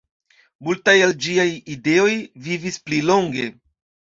Multaj el ĝiaj ideoj vivis pli longe.